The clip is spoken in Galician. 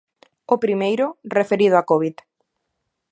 O primeiro, referido á covid.